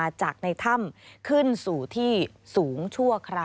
สวัสดีค่ะสวัสดีค่ะ